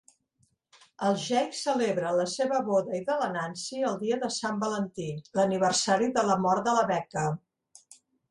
El Jake celebra la seva boda i de la Nancy el dia de Sant Valentí, l'aniversari de la mort de la Becca.